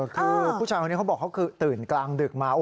คือผู้ชายคนนี้เขาบอกเขาคือตื่นกลางดึกมา